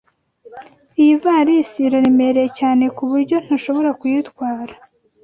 Iyi ivalisi iraremereye cyane ku buryo ntashobora kuyitwara.